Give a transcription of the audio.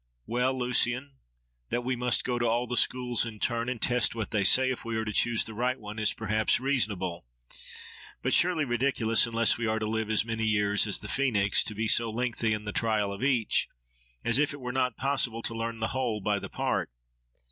—Well, Lucian! that we must go to all the schools in turn, and test what they say, if we are to choose the right one, is perhaps reasonable; but surely ridiculous, unless we are to live as many years as the Phoenix, to be so lengthy in the trial of each; as if it were not possible to learn the whole by the part!